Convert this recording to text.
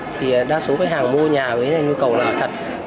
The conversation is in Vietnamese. thì đa số khách hàng mua nhà với nhu cầu là thật